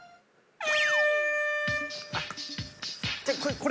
これ。